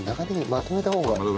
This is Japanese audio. まとめた方がいい。